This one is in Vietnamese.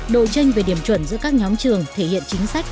đội tranh về điểm chuẩn giữa các nhóm trường thể hiện chính sách